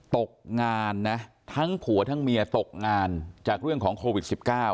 ตกงานนะทั้งผัวทั้งเมียตกงานจากเรื่องของโควิด๑๙